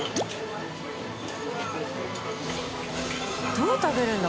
どう食べるんだ？